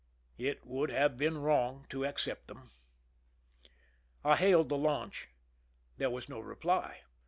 It would have been wrong to accept them. I hailed the launch. There was no reply.